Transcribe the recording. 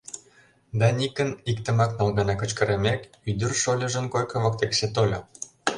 Даникын иктымак ныл гана кычкырымек, ӱдыр шольыжын койко воктекше тольо.